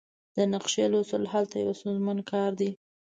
د نقشې لوستل هلته یو ستونزمن کار دی